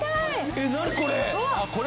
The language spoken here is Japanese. えっ何これ！